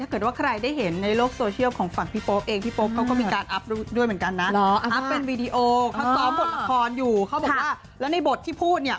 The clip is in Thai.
เขาบอกว่าแล้วในบทที่พูดเนี่ย